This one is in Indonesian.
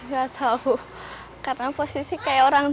gak tahu karena posisi kayak orang